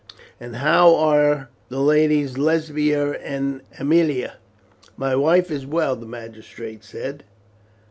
And how are the Ladies Lesbia and Aemilia?" "My wife is well," the magistrate said.